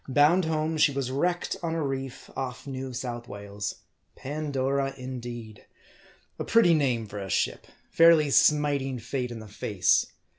Bound home she was wrecked on a reef off New South Wales. Pandora, indeed ! A pretty name for a ship : fairly smiting Fate in the face.